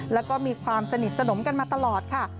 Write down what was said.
แล้วก็มีความสนิทสนมกันมาตลอดค่ะ